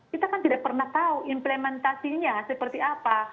kita kan tidak pernah tahu implementasinya seperti apa